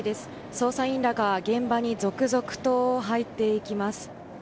捜査員らが現場に続々と入っていきます。